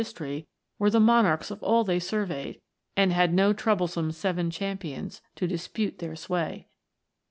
history were the monarchs of all they surveyed, and had no troublesome Seven Champions to dis pute their sway.